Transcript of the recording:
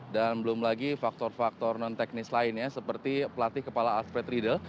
dan belum lagi faktor faktor non teknis lainnya seperti pelatih kepala aspetri